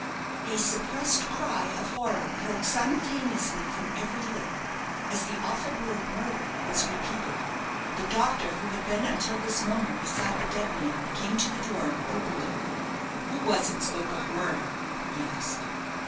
A suppressed cry of horror broke simultaneously from every lip. As the awful word "murder" was repeated, the doctor, who had been until this moment beside the dead man, came to the door, and opened it. "Who was it spoke of murder?" he asked.